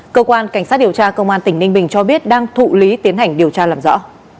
cơ quan cảnh sát điều tra công an tỉnh ninh bình cho biết đang thụ lý tiến hành điều tra làm rõ